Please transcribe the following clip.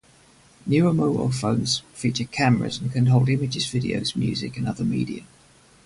Newer mobile phones feature cameras, and can hold images, videos, music, and other media.